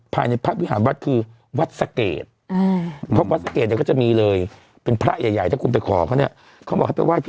เพราะมีอัดเทป